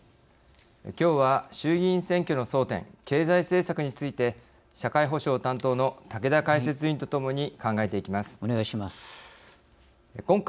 きょうは衆議院選挙の争点経済政策について社会保障担当の竹田解説委員とともに考えていきます。